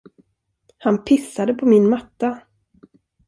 Han pissade på min matta.